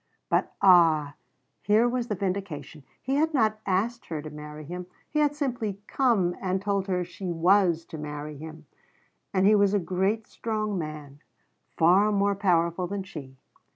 But ah here was the vindication! He had not asked her to marry him. He had simply come and told her she was to marry him. And he was a great, strong man far more powerful than she.